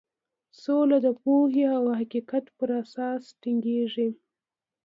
سوله د پوهې او حقیقت په اساس ټینګیږي.